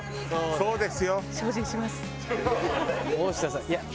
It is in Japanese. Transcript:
そうです。